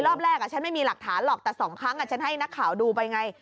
รอบแรกฉันไม่มีหลักฐานหรอกแต่๒ครั้งฉันให้นักข่าวดูไปไง